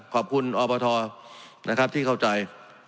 ขอบคุณอพที่เข้าใจ